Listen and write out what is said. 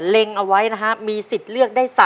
เอาไว้นะฮะมีสิทธิ์เลือกได้๓